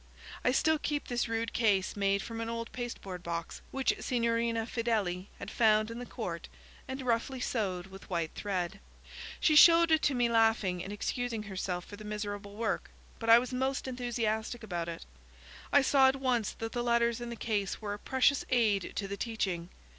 I still keep this rude case made from an old pasteboard box, which Signorina Fedeli had found in the court and roughly sewed with white thread. She showed it to me laughing, and excusing herself for the miserable work, but I was most enthusiastic about it. I saw at once that the letters in the case were a precious aid to the teaching.